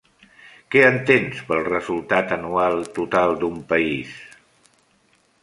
Què entens pel resultat anual total d'un país?